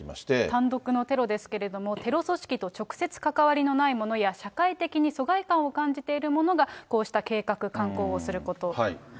単独のテロですけれども、テロ組織と直接関わりのない者や、社会的に疎外感を感じている者が、こうした計画慣行をすること。